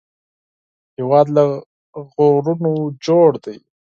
هېواد له غرونو جوړ دی